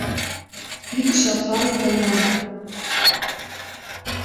Ик жаплан гына!